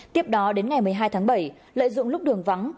tiếp đó đến ngày một mươi hai tháng bảy lợi dụng lúc đường vắng